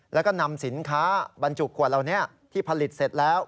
แล้วก็นำสินค้าบรรจุขวดเหล่านี้ที่ผลิตเสร็จแล้ว